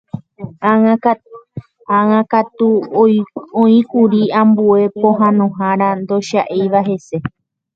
Ág̃akatu oĩkuri ambue pohãnohára ndocha'éiva hese.